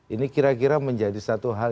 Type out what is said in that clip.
ini kira kira menjadi satu hal